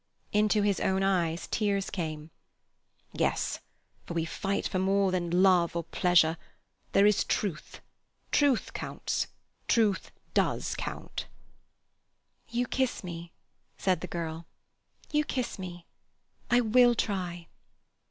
Into his own eyes tears came. "Yes, for we fight for more than Love or Pleasure; there is Truth. Truth counts, Truth does count." "You kiss me," said the girl. "You kiss me. I will try."